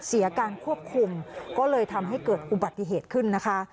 เสียการควบคุมก็เลยทำให้เกิดอุบัติเหตุขึ้นนะคะ